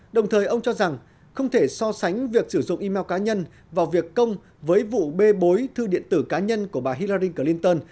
đồng thời ông cho rằng không thể so sánh việc sử dụng email cá nhân vào việc công với vụ bê bối thư điện tử cá nhân của bà hiralin clinton